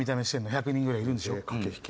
１００人ぐらいいるんでしょ？